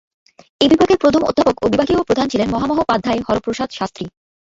এ বিভাগের প্রথম অধ্যাপক ও বিভাগীয় প্রধান ছিলেন মহামহোপাধ্যায় হরপ্রসাদ শাস্ত্রী।